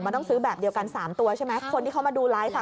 มันต้องซื้อแบบเดียวกัน๓ตัวใช่ไหมคนที่เขามาดูไลฟ์อ่ะ